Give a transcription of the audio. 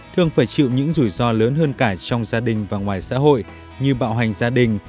thường phải chịu những rủi ro lớn hơn cả trong gia đình và ngoài xã hội như bạo hành gia đình